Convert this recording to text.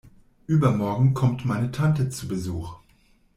Übermorgen kommt meine Tante zu Besuch.